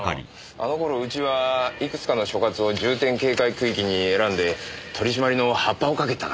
あの頃うちはいくつかの所轄を重点警戒区域に選んで取り締まりのハッパをかけてたからね。